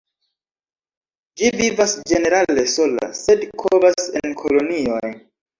Ĝi vivas ĝenerale sola, sed kovas en kolonioj.